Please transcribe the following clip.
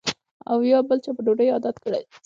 او یا بل چا په ډوډۍ عادت کړی